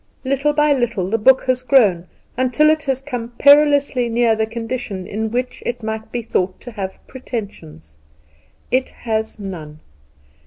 Little by little the book has grown until it has come perilously near the condition in which it might be thought to have Pretensions. It has none!